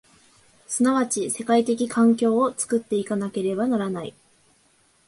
即ち世界的環境を作って行かなければならない。